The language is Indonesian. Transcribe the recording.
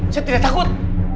saya tidak takut